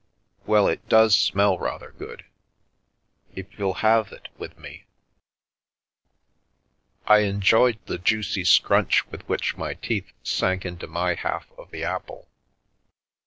Well, it does smell rather good — if you'll halve it with me " The Milky Way I enjoyed the juicy scrunch with which my teeth into my half of the apple.